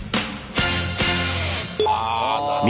ああなるほど。